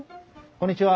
こんにちは。